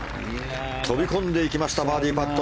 飛び込んでいきましたバーディーパット。